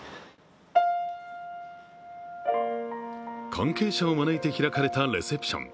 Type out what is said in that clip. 関係者を招いて開かれたレセプション。